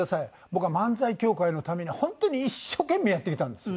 僕は漫才協会のために本当に一生懸命やってきたんです。